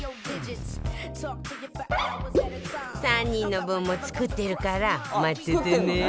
３人の分も作ってるから待っててね